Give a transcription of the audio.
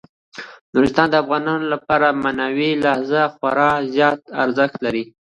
نورستان د افغانانو لپاره په معنوي لحاظ خورا زیات ارزښت لري.